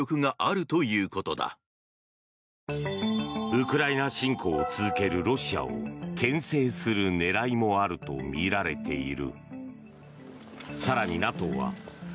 ウクライナ侵攻を続けるロシアをけん制する狙いもあるとみられている。